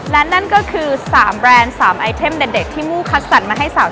และนั่นก็คือ๓แบรนด์๓ไอเทมเด็ดที่มู่คัดสรรมาให้สาว